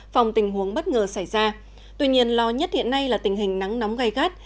phòng tình huống bất ngờ xảy ra tuy nhiên lo nhất hiện nay là tình hình nắng nóng gai gắt